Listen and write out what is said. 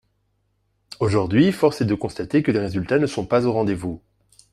Aujourd’hui, force est de constater que les résultats ne sont pas au rendez-vous.